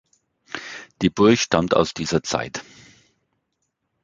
Die Burg stammt aus dieser Zeit.